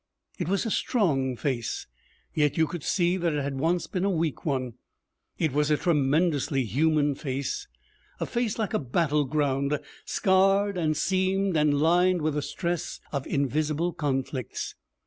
It was a strong face, yet you could see that it had once been a weak one. It was a tremendously human face, a face like a battle ground, scarred and seamed and lined with the stress of invisible conflicts.